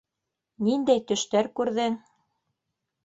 - Ниндәй төштәр күрҙең?